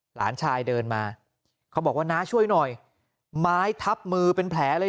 หลานชายเดินมาเขาบอกว่าน้าช่วยหน่อยไม้ทับมือเป็นแผลเลย